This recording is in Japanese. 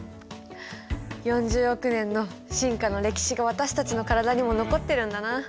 ４０億年の進化の歴史が私たちの体にも残ってるんだな。